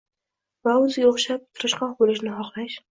va o‘ziga o‘xshab tirishqoq bo‘lishini xohlash